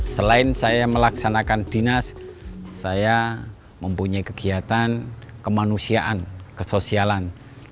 selain saya melaksanakan dinas saya mempunyai kegiatan kemanusiaan kesosialan